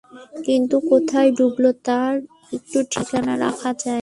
কিন্তু কোথায় ডুবল তার একটু ঠিকানা রাখা চাই।